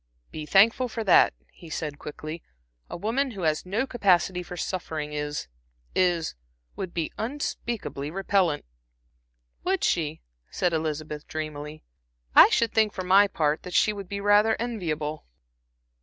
"Be thankful for that," he said, quickly. "A woman who has no capacity for suffering is is would be unspeakably repellant." "Would she?" said Elizabeth, dreamily. "I should think, for my part, that she would be rather enviable."